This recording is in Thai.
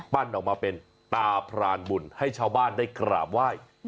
ออกมาเป็นตาพรานบุญให้ชาวบ้านได้กราบไหว้